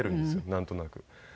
なんとなく。